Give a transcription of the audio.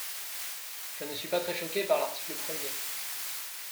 Je ne suis pas très choqué par l’article premier.